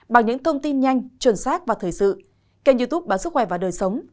bằng những thông tin nhanh chuẩn xác và thời sự kênh youtube báo sức khỏe và đời sống